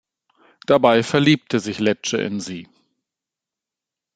Dabei verliebt sich Lecce in sie.